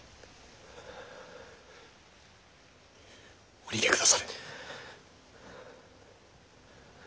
お逃げくだされ。